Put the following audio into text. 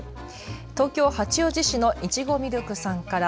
東京八王子市のいちごみるくさんから。